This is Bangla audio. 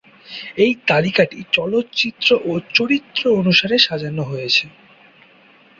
এই তালিকাটি চলচ্চিত্র ও চরিত্র অনুসারে সাজানো হয়েছে।